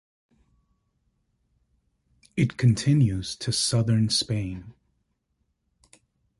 It continues to southern Spain.